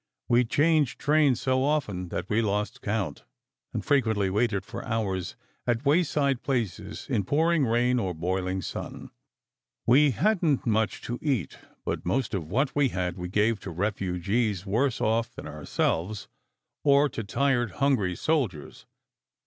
We changed trains so often that we lost count, and frequently waited for hours at way side places in pouring rain or broiling sun. We hadn t much to eat, but most of what we had we gave to refugees worse off than ourselves, or to tired, hungry soldiers.